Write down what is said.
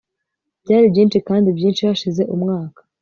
Byari byinshi kandi byinshi hashize umwaka